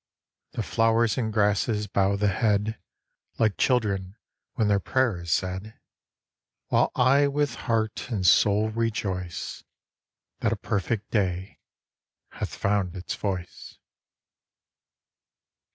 The flowers and grasses bow the head, Like children when their prayer is said, While I with heart and soul rejoice That a perfect day hath found its voice.